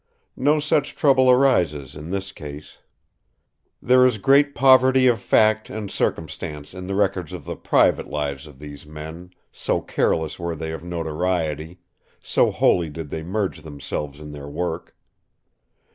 No such trouble arises in this case. There is great poverty of fact and circumstance in the records of the private lives of these men; so careless were they of notoriety, so wholly did they merge themselves in their work.